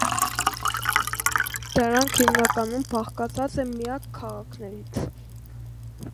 Դրանք հիմնականում բաղկացած են միակ քաղաքից։